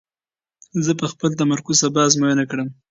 زه به خپل تمرکز سبا ازموینه کړم.